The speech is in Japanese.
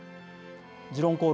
「時論公論」